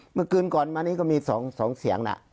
เมื่อคืนก่อนมานี้ก็มี๒เสียงนะ